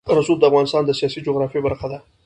رسوب د افغانستان د سیاسي جغرافیه برخه ده.